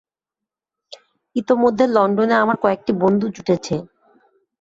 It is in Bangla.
ইতোমধ্যে লণ্ডনে আমার কয়েকটি বন্ধু জুটেছে।